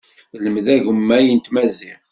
Lmed agemmay n tmaziɣt.